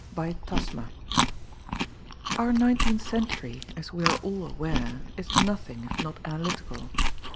BY '^tasma;' Our nineteenth century, as we are all aware, is nothing if not analytical.